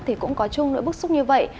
thì cũng có chung nỗi bức xúc như vậy